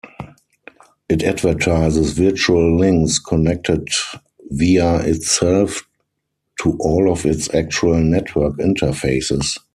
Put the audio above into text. It advertises virtual links connected via itself to all of its actual network interfaces.